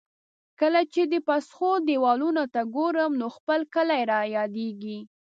کله چې د پسخو دېوالونو ته ګورم، نو خپل کلی را یادېږي.